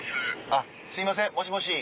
あっすいませんもしもし。